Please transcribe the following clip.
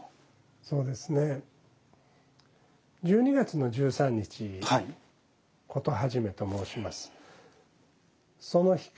そうですね１２月の１３日「事始め」と申します。